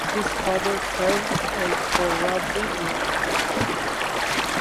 His father served as the rabbi there.